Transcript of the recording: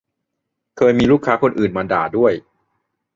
เคยมีลูกค้าคนอื่นมาด่าด้วย